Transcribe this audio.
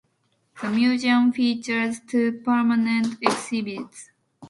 The museum features two permanent exhibits.